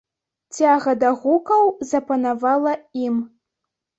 Цяга да гукаў запанавала ім.